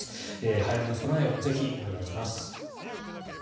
早めの備えをぜひ、お願いします。